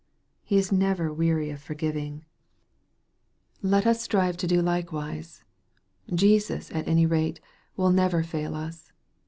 He is never weary of forgiving. Let MARK, CHAP. XIV. 325 us strive to do likewise. Jesus, at any rate, will never fail us.